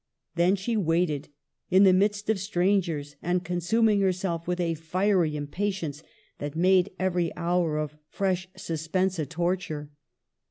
Then she waited, in the midst of strangers, and consuming herself with a fiery impatience that made every hour of fresh sus pense a torture.